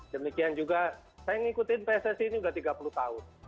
demikian juga saya mengikuti pssi ini sudah tiga puluh tahun